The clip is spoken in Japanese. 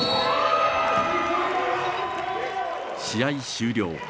試合終了。